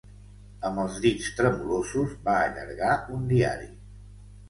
Amb els dits tremolosos, va allargar un diari.